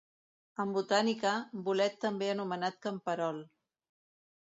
En botànica, bolet també anomenat camperol.